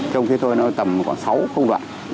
trong khi thôi nó tầm khoảng sáu công đoạn